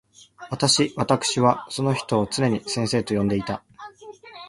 私わたくしはその人を常に先生と呼んでいた。